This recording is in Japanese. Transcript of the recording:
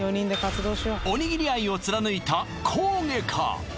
おにぎり愛を貫いた高下か？